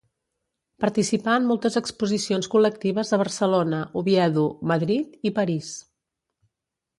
Participà en moltes exposicions col·lectives a Barcelona, Oviedo, Madrid i París.